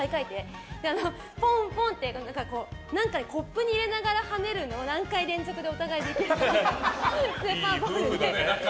ポンポンってコップにはねながら入れるのを何回連続でできるかってスーパーボールで。